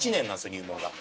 入門が。